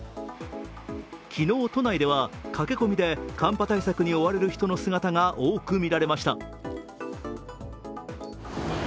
昨日、都内では駆け込みで寒波対策に追われる人の姿が多く見られました。